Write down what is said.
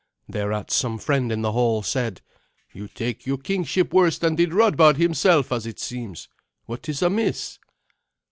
Thereat some friend in the hall said, "You take your kingship worse than did Radbard himself, as it seems. What is amiss?"